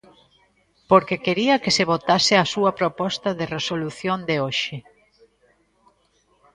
Porque quería que se votase a súa proposta de resolución de hoxe.